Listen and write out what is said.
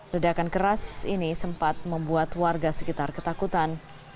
ledakan keras ini sempat membuat warga sekitar ketakutan